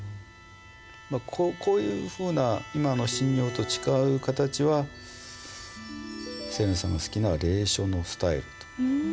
こういうふうな今のしんにょうと違う形はせれなさんが好きな隷書のスタイルと。